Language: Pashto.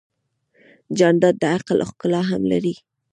جانداد د عقل ښکلا هم لري.